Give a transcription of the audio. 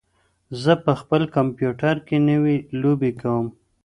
زه په خپل کمپیوټر کې نوې لوبې کوم.